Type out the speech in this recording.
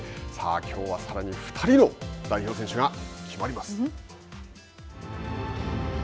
きょうは、さらに２人の代表選手が決まります。